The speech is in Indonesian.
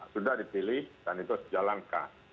sudah dipilih dan itu harus dijalankan